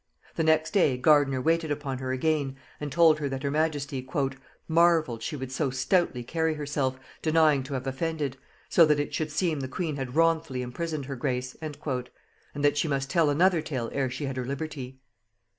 The next day Gardiner waited upon her again and told her that her majesty "marvelled she would so stoutly carry herself, denying to have offended; so that it should seem the queen had wrongfully imprisoned her grace:" and that she must tell another tale ere she had her liberty.